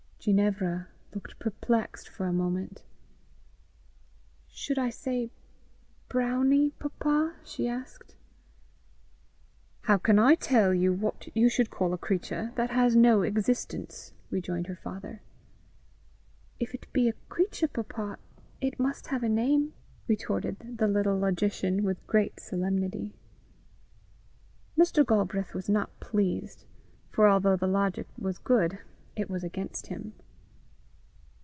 Ginevra looked perplexed for a moment. "Should I say brownie, papa?" she asked. "How can I tell you what you should call a creature that has no existence?" rejoined her father. "If it be a creature, papa, it must have a name!" retorted the little logician, with great solemnity. Mr. Galbraith was not pleased, for although the logic was good, it was against him.